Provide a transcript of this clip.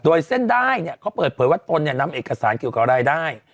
โดยเส้นได้เนี่ยเขาเปิดเผยว่าตนเนี่ยนำเอกสารเกี่ยวกับรายได้